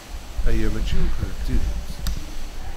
Aya mačči akk d tidet.